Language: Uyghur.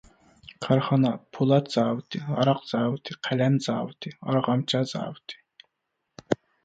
كارخانا پولات زاۋۇتى، ھاراق زاۋۇتى، قەلەم زاۋۇتى، ئارغامچا زاۋۇتى.